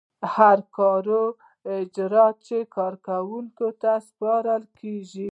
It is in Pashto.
هر کاري اجراات چې کارکوونکي ته سپارل کیږي.